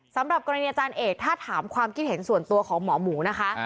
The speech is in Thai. สำหรับกรณีอาจารย์เอกถ้าถามความคิดเห็นส่วนตัวของหมอหมูนะคะ